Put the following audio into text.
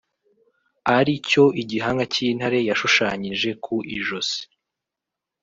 ari cyo igihanga cy’intare yashushanyishije ku ijosi